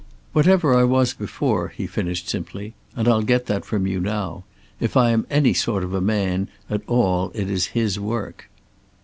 "Whatever I was before." he finished simply, "and I'll get that from you now, if I am any sort of a man at all it is his work."